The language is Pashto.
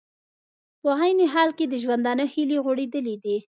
په عین حال کې د ژوندانه هیلې غوړېدلې دي